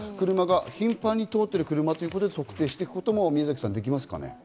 車が頻繁に通っている車ということで特定していくこともできますかね。